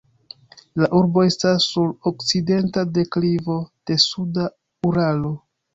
La urbo estas sur okcidenta deklivo de suda Uralo.